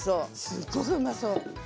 すっごくうまそう。